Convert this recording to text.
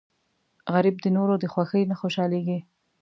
غریب د نورو د خوښۍ نه خوشحالېږي